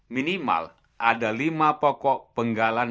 minimal ada lima pokok penggalan